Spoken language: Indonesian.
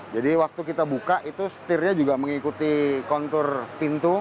jadi waktu kita buka itu stirnya juga mengikuti kontur pintu